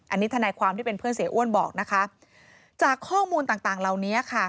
อันนี้ทนายความที่เป็นเพื่อนเสียอ้วนบอกนะคะจากข้อมูลต่างต่างเหล่านี้ค่ะ